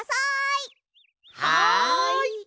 はい！